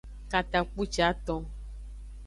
Katakpuciaton.